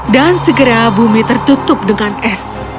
dan segera bumi tertutup dengan es